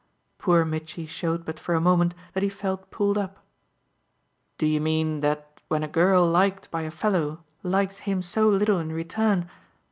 Poor Mitchy showed but for a moment that he felt pulled up. "Do you mean that when a girl liked by a fellow likes him so little in return